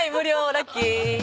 ラッキー。